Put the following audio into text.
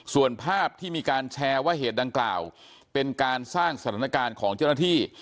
ส่วนภาพที่มีการแชร์ว่าเหตุดังกล่าวเป็นการสร้างสถานการณ์ของเจ้าหน้าที่